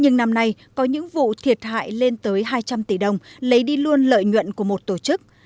nhưng năm nay có những vụ thiệt hại lên tới hai trăm linh tỷ đồng lấy đi luôn lợi nhuận của một tổ chức